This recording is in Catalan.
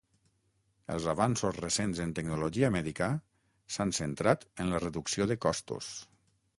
Els avanços recents en tecnologia mèdica s"han centrat en la reducció de costos.